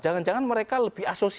jangan jangan mereka yang berpikir itu